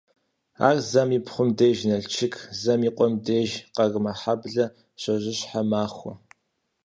Ар зэм и пхъум деж Налшык, зэм и къуэм деж Къармэхьэблэ щожьыщхьэ махуэ.